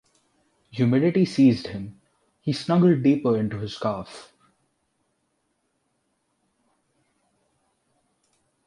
Humidity seized him, he snuggled deeper in to his scarf.